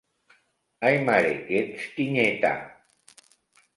Ai mare, que ets tinyeta!